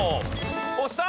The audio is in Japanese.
押した！